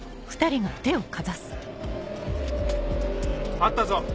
あったぞ！